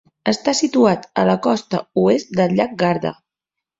Està situat a la costa oest del llac Garda.